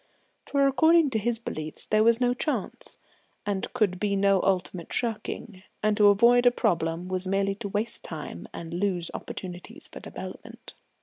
For according to his beliefs there was no Chance, and could be no ultimate shirking, and to avoid a problem was merely to waste time and lose opportunities for development.